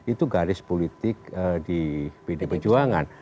itu garis politik di pd perjuangan